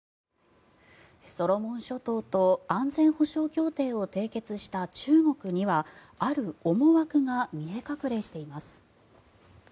ソロモン諸島と安全保障協定を締結した中国にはある思惑が見え隠れしています。